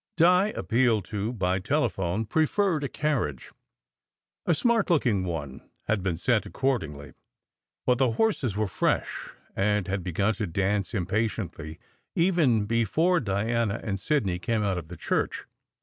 Di, appealed to by telephone, preferred a carriage. A smart looking one had been sent accordingly, but the horses were fresh and had begun to dance impatiently even before Diana and Sidney came out of the church.